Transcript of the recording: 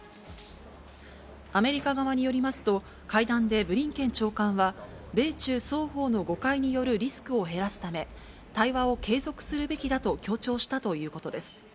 アメリカ側によりますと、会談でブリンケン長官は、米中双方の誤解によるリスクを減らすため、対話を継続するべきだと強調したということです。